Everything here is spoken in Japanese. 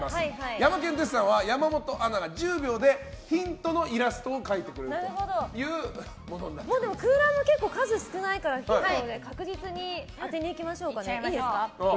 ヤマケン・デッサンは山本アナが１０秒でヒントのイラストを描いてくれる空欄が結構数少ないから確実に当てにいきましょうか。